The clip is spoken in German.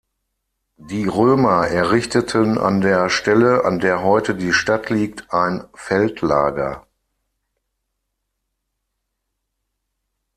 Die Römer errichteten an der Stelle, an der heute die Stadt liegt, ein Feldlager.